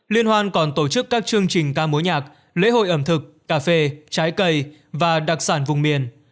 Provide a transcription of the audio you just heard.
liên hoan còn tổ chức các chương trình ca mối nhạc lễ hội ẩm thực cà phê trái cây và đặc sản vùng miền